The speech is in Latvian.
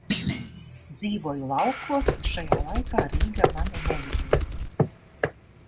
Dzīvoju laukos, šajā laikā Rīga mani nevilina.